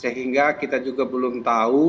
sehingga kita juga belum tahu